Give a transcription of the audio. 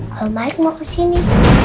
kalau maik mau kesini